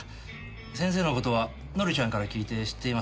先生の事は紀ちゃんから聞いて知っています。